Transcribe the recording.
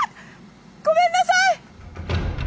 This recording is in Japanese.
ごめんなさい！